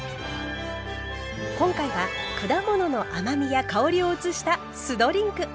今回は果物の甘みや香りを移した酢ドリンク。